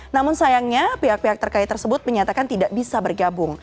namun sayangnya pihak pihak terkait tersebut menyatakan tidak bisa bergabung